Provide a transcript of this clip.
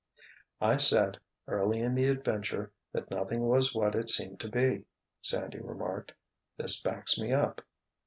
"I said, early in the adventure, that nothing was what it seemed to be," Sandy remarked. "This backs me up.